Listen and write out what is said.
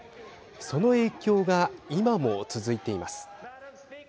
その影響が今も続いています。